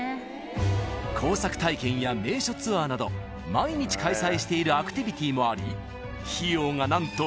［工作体験や名所ツアーなど毎日開催しているアクティビティもあり費用がなんと］